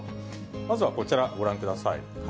まずはこちら、ご覧ください。